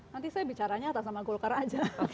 nanti saya bicaranya atas sama golkar aja